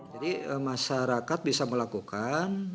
jadi masyarakat bisa melakukan